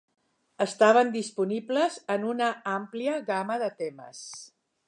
Estaven disponibles en una àmplia gamma de temes.